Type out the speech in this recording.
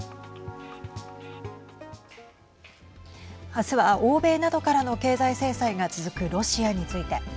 あすは欧米などからの経済制裁が続くロシアについて。